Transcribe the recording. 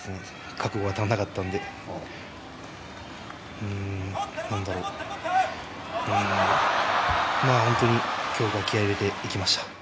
覚悟が足りなかったので何だろう本当に今日は気合い入れていきました。